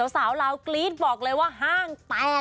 สาวลาวกรี๊ดบอกเลยว่าห้างแตก